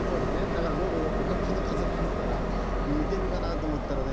だから僕おかっぱのカツラかぶったら似てるかなと思ったらね